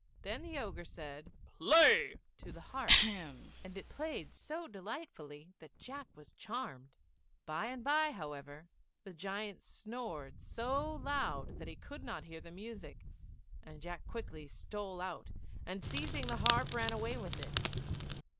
Then the Ogre said, "Play," to the harp, and it played so delightfully that Jack was charmed. [Illustration: JACK TAKES THE TALKING HARP.] By and by, however, the giant snored so loud that he could not hear the music; and Jack quickly stole out, and seizing the harp, ran away with it.